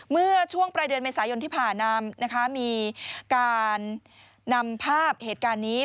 เมื่อช่วงปลายเดือนเมษายนที่ผ่านมานะคะมีการนำภาพเหตุการณ์นี้